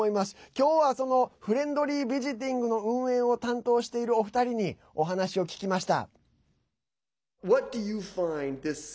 今日はそのフレンドリー・ビジティングの運営を担当しているお二人にお話を聞きました。